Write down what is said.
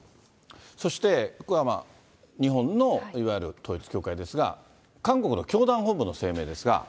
そして、日本のいわゆる統一教会ですが、韓国の教団本部の声明ですが。